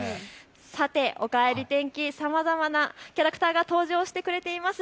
おかえり天気、さまざまなキャラクターが登場してくれています。